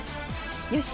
よし！